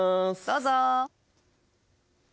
どうぞ！